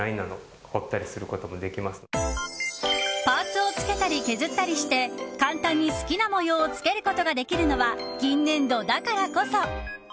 パーツをつけたり削ったりして簡単に好きな模様をつけることができるのは銀粘土だからこそ。